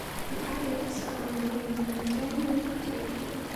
The adults are on the wing from January to April.